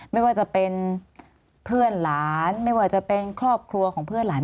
ไม่ว่าจะเป็นเพื่อนหลานไม่ว่าจะเป็นครอบครัวของเพื่อนหลาน